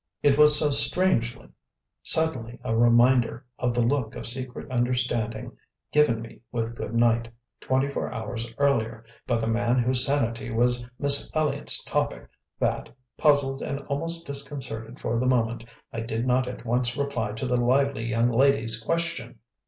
It was so strangely, suddenly a reminder of the look of secret understanding given me with good night, twenty four hours earlier, by the man whose sanity was Miss Elliott's topic, that, puzzled and almost disconcerted for the moment, I did not at once reply to the lively young lady's question.